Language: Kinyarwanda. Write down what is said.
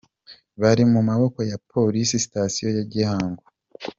Bari mu maboko ya ya police station ya Gihango.